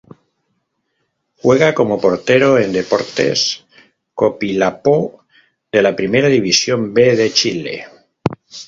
Juega como Portero en Deportes Copiapó de la Primera División B de Chile.